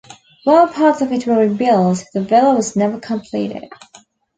While parts of it were rebuilt, the villa was never completed.